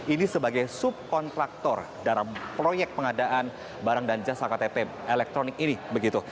ini sebagai subkontraktor dalam proyek pengadaan barang dan jasa ktp elektronik ini